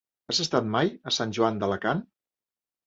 Has estat mai a Sant Joan d'Alacant?